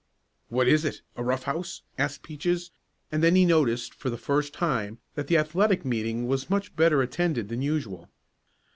"What is it a rough house?" asked Peaches, and then he noticed for the first time that the athletic meeting was much better attended than usual.